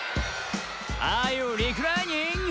「アーユーリクライニング？」